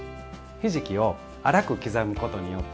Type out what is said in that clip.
ひじきを粗く刻むことによって。